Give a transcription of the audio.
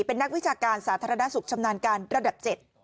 เป็นนักวิชาการสาธารณสุขชำนาญการระดับ๗